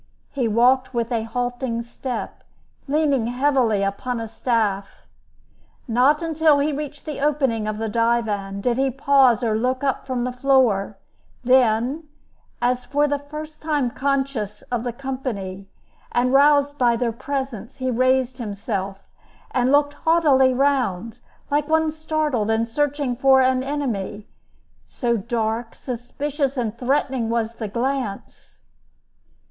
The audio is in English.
He walked with a halting step, leaning heavily upon a staff. Not until he reached the opening of the divan, did he pause or look up from the floor; then, as for the first time conscious of the company, and roused by their presence, he raised himself, and looked haughtily round, like one startled and searching for an enemy—so dark, suspicious, and threatening was the glance.